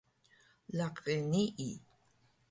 laqi nii?